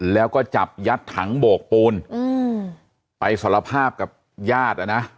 แล้วก็จับยัดถังโบกปูนไปสารภาพกับญาติอ่ะนะ